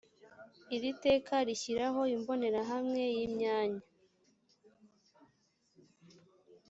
iri teka rishyiraho imbonerahamwe y’imyanya